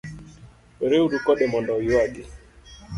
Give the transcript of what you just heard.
were uru kode mondo oyuagi